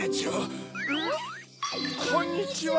こんにちは。